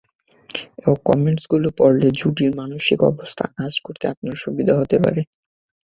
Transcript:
এই কমেন্টসগুলি পড়লে জুডির মানসিক অবস্থা আঁচ করতে আপনার সুবিধা হতে পারে!